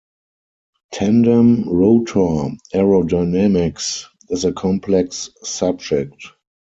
Tandem rotor aerodynamics is a complex subject.